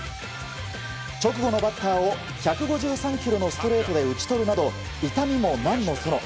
直後のバッターを１５３キロのストレートで打ち取るなど痛みも何のその。